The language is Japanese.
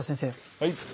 はい。